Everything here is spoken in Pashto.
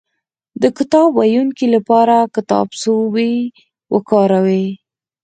د کتاب ويونکي لپاره کتابڅوبی وکاروئ